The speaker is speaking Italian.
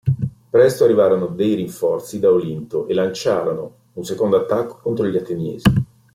Presto arrivarono dei rinforzi da Olinto, e lanciarono un secondo attacco contro gli ateniesi.